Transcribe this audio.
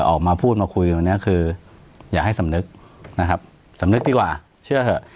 ออกมาพูดมาคุยวันนี้คืออยากให้สำนึกนะครับสำนึกดีกว่าเชื่อเถอะ